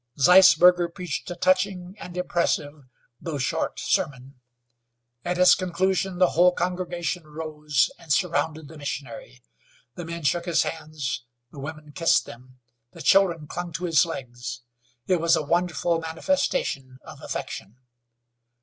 Zeisberger preached a touching and impressive, though short, sermon. At its conclusion the whole congregation rose and surrounded the missionary. The men shook his hands, the women kissed them, the children clung to his legs. It was a wonderful manifestation of affection.